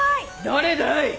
誰だい！？